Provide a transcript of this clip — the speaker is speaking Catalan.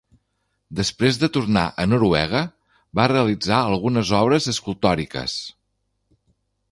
Després de tornar a Noruega, va realitzar algunes obres escultòriques.